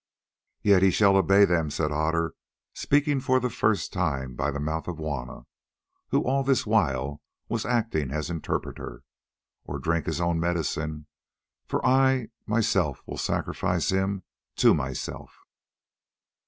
"Yet he shall obey them," said Otter, speaking for the first time by the mouth of Juanna, who all this while was acting as interpreter, "or drink his own medicine, for I myself will sacrifice him to myself."